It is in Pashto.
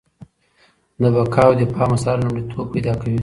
د بقا او دفاع مسله لومړیتوب پیدا کوي.